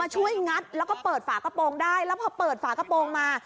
งัดแล้วก็เปิดฝากระโปรงได้แล้วพอเปิดฝากระโปรงมา